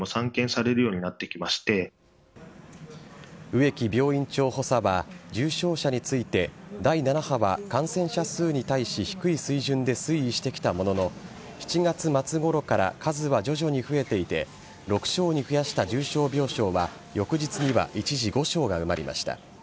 植木病院長補佐は重症者について第７波は感染者数に対し低い水準で推移してきたものの７月末ごろから数は徐々に増えていて６床に増やした重症病床は翌日には一時５床が埋まりました。